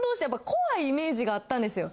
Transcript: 怖いイメージがあったんですよ。